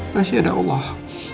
pasti ada allah